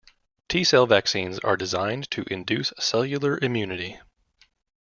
T-cell vaccines are designed to induce cellular immunity.